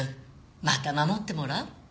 また守ってもらう？